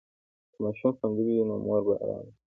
که ماشوم خوندي وي، نو مور به ارامه وي.